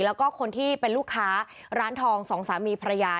แล้วก็คนที่เป็นลูกค้าร้านทองสองสามีภรรยา